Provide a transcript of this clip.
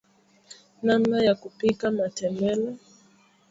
namna ya kupika matembele